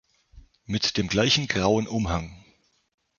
Mit dem gleichen grauen Umhang.